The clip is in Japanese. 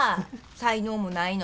才能もないのに。